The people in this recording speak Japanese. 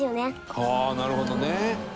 ああーなるほどね！